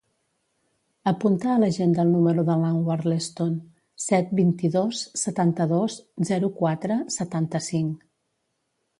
Apunta a l'agenda el número de l'Anwar Leston: set, vint-i-dos, setanta-dos, zero, quatre, setanta-cinc.